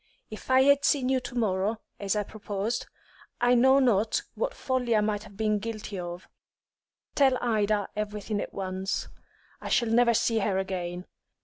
If I had seen you to morrow, as I proposed, I know not what folly I might have been guilty of. Tell Ida everything at once; I shall never see her again.